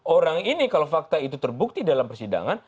orang ini kalau fakta itu terbukti dalam persidangan